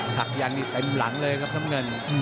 สักยังติดไปหลังเลยครับน้ำเงิน